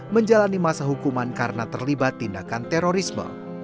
menjalani masa hukuman karena terlibat tindakan terorisme